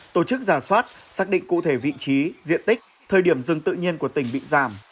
tổ chức giả soát xác định cụ thể vị trí diện tích thời điểm rừng tự nhiên của tỉnh bị giảm